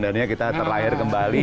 dhani kita terlahir kembali